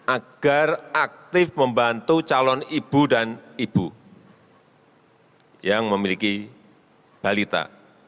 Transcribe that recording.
agar aktif membantu calon ibu dan ibu yang memiliki balita